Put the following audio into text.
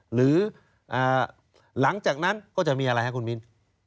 หรือหลังจากนั้นก็จะมีอะไรฮะคุณมีน